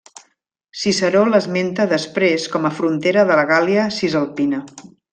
Ciceró l'esmenta després com a frontera de la Gàl·lia Cisalpina.